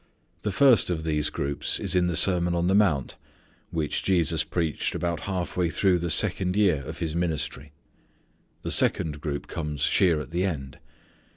The first of these groups is in the Sermon on the Mount which Jesus preached about half way through the second year of His ministry. The second group comes sheer at the end.